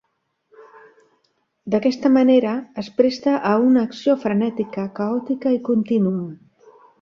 D’aquesta manera, es presta a una acció frenètica, caòtica i contínua.